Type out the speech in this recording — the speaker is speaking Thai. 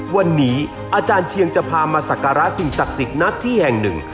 วันนี้อาจารย์เชียงจะพามาสักการะสิ่งศักดิ์สิทธิ์ณที่แห่งหนึ่ง